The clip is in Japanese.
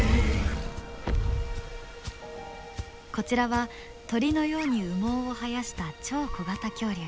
こちらは鳥のように羽毛を生やした超小型恐竜。